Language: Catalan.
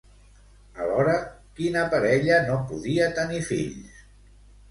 Alhora, quina parella no podia tenir fills?